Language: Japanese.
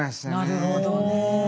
なるほどねえ。